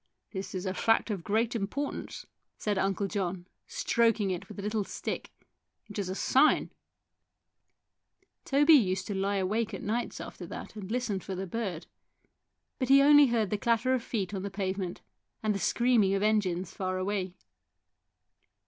" This is a fact of great importance," said Uncle John, stroking it with a little stick. " It is a sign !" Toby used to lie awake at nights after that and listen for the bird, but he only heard the clatter of feet on the pavement and the screaming of engines far away.